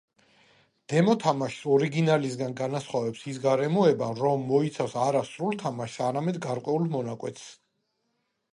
დემო თამაშს ორიგინალისგან განასხვავებს ის გარემოება, რომ მოიცავს არა სრულ თამაშს, არამედ გარკვეულ მონაკვეთს.